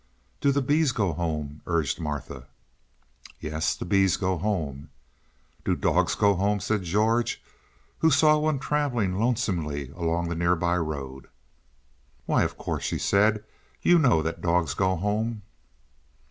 "Do the bees go home?" urged Martha. "Yes, the bees go home." "Do the dogs go home?" said George, who saw one traveling lonesomely along the nearby road. "Why, of course," she said, "you know that dogs go home."